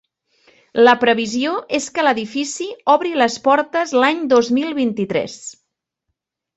La previsió és que l'edifici obri les portes l'any dos mil vint-i-tres.